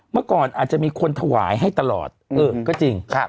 เมื่อก่อนอาจจะมีคนถวายให้ตลอดเออก็จริง